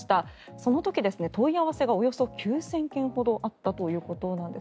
その時、問い合わせがおよそ９０００件ほどあったということです。